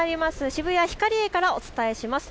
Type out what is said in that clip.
渋谷ヒカリエからお伝えします。